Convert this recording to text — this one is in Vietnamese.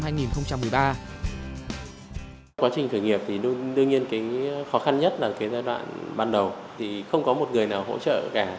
quá trình khởi nghiệp đương nhiên khó khăn nhất là giai đoạn ban đầu không có một người nào hỗ trợ cả